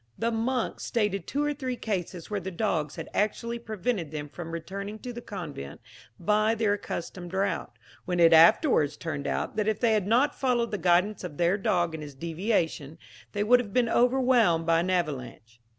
The monks stated two or three cases where the dogs had actually prevented them from returning to the convent by their accustomed route, when it afterwards turned out, that if they had not followed the guidance of their dog in his deviation, they would have been overwhelmed by an avalanche.